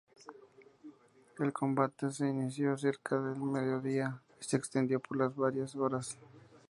El combate se inició cerca del mediodía y se extendió por varias horas.